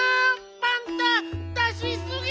パンタ出しすぎ！